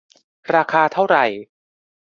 ราคาเท่าไหร ?